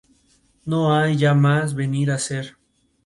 No hay ya más venir a ser.